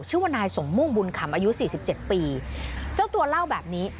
ชื่อว่านายสมมุ่งบุญขำอายุสี่สิบเจ็ดปีเจ้าตัวเล่าแบบนี้